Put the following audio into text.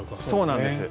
そうなんです。